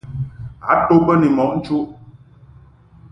A to mbə ni mɔʼ nchuʼ.